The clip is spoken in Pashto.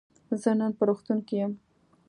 زه نن په روغتون کی یم.